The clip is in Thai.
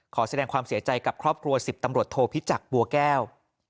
ขอแสดงความเสียใจกับครอบครัว๑๐ตำรวจโทพิจักรบัวแก้ว